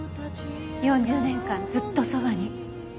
４０年間ずっとそばに。